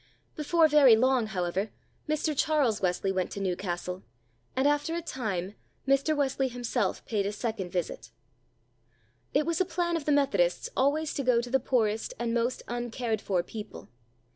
Before very long, however, Mr. Charles Wesley went to Newcastle, and after a time, Mr. Wesley himself paid a second visit. It was a plan of the Methodists always to go to the poorest and most uncared for people.